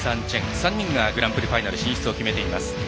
３人がグランプリファイナル進出決めています。